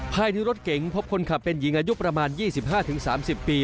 ภายในรถเก๋งพบคนขับเป็นหญิงอายุประมาณ๒๕๓๐ปี